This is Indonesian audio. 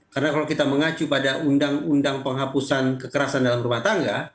karena kalau kita mengacu pada undang undang penghapusan kekerasan dalam rumah tangga